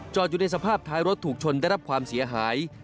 อยู่ในสภาพท้ายรถถูกชนได้รับความเสียหาย